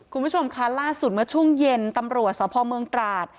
คุณผู้ชมค่ะล่าสุดเมื่อช่วงเย็นตำรวจสพเมืองตราด